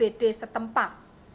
segera kembali ke tempat masing masing